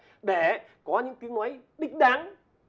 tham gia vào bộ luật lao động